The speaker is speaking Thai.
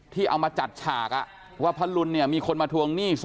ที่เอามาจัดฉากว่าพระรุนเนี่ยมีคนมาทวงหนี้